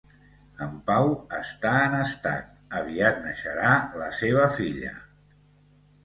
En Pau està en estat, aviat neixerà la seva filla